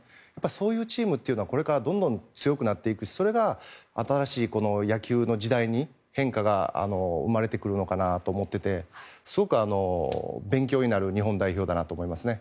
そういうチームってこれからどんどん強くなっていくしそれが新しい野球の時代に変化が生まれてくるのかなと思っていてすごく勉強になる日本代表だなと思いますね。